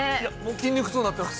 ◆筋肉痛になっています。